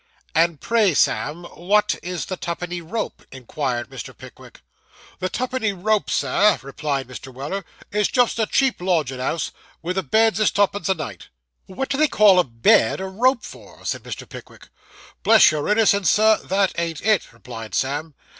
'And pray, Sam, what is the twopenny rope?' inquired Mr. Pickwick. 'The twopenny rope, sir,' replied Mr. Weller, 'is just a cheap lodgin' house, where the beds is twopence a night.' 'What do they call a bed a rope for?' said Mr. Pickwick. 'Bless your innocence, sir, that ain't it,' replied Sam.